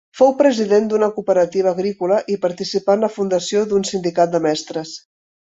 Fou president d'una cooperativa agrícola i participà en la fundació d'un sindicat de mestres.